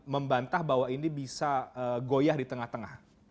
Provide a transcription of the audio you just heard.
membantah bahwa ini bisa goyah di tengah tengah